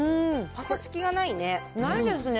ぱさつきがないね。